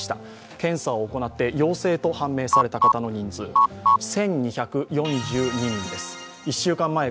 検査を行って陽性と判明された方の人数、１２４２人です。